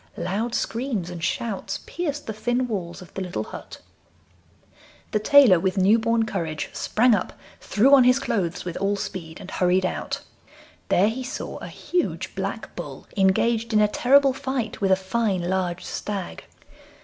Loud screams and shouts pierced the thin walls of the little hut. The tailor, with new born courage, sprang up, threw on his clothes with all speed and hurried out. There he saw a huge black bull engaged in a terrible fight with a fine large stag.